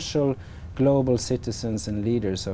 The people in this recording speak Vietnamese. chúng tôi đã đi vào trường